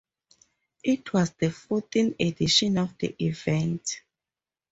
It was the fourth edition of the event.